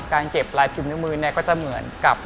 การเก็บรายพิมพ์ในมือก็จะเหมือนกับ